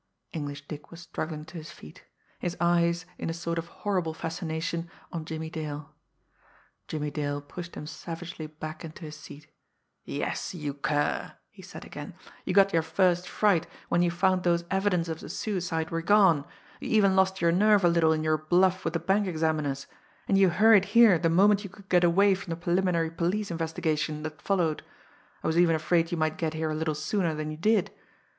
English Dick was struggling to his feet; his eyes, in a sort of horrible fascination, on Jimmie Dale. Jimmie Dale, pushed him savagely back into his seat. "Yes you cur!" he said again. "You got your first fright when you found those evidences of suicide were gone you even lost your nerve a little in your bluff with the bank examiners and you hurried here the moment you could get away from the preliminary police investigation that followed I was even afraid you might get here a little sooner than you did.